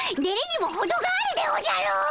デレにもほどがあるでおじゃる！